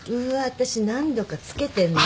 私何度か付けてんね。